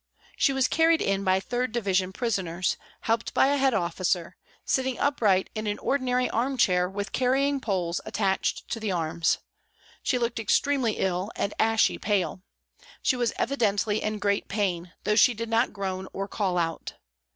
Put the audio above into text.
She was carried in by 3rd Division prisoners, helped by a head officer, sitting upright in an ordinary armchair with carrying poles attached to the arms. She looked extremely ill and ashy pale. She was evidently in great pain, though she did not groan or call out.